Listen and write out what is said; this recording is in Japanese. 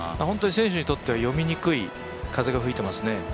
本当に選手にとっては読みにくい風が吹いていますね。